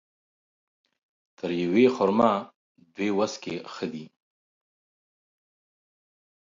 تر يوې خرما ، دوې وڅکي ښه دي